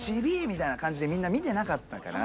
みたいな感じでみんな見てなかったから。